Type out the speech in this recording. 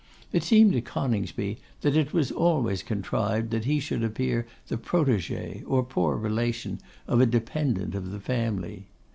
It seemed to Coningsby that it was always contrived that he should appear the protégé, or poor relation, of a dependent of his family.